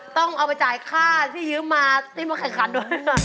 ต้องเอาไปจ่ายค่าที่ยืมมาที่มาแข่งขันด้วย